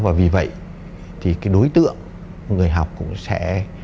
và vì vậy thì cái đối tượng người học cũng sẽ